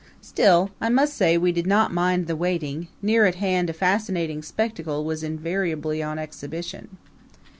Still, I must say we did not mind the waiting; near at hand a fascinating spectacle was invariably on exhibition.